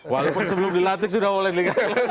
walaupun sebelum dilatih sudah boleh dilihat